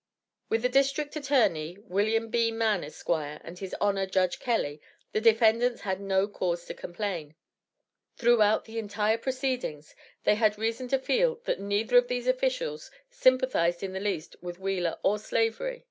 With the District Attorney, Wm. B. Mann, Esq., and his Honor, Judge Kelley, the defendants had no cause to complain. Throughout the entire proceedings, they had reason to feel, that neither of these officials sympathized in the least with Wheeler or Slavery.